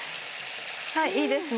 はいいいですね